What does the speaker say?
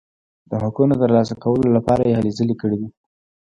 د حقونو ترلاسه کولو لپاره یې هلې ځلې کړي دي.